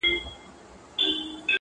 • اوس مي بُتکده دزړه آباده ده,